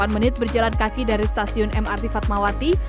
delapan menit berjalan kaki dari stasiun mrt fatmawati